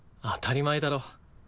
当たり前だろ。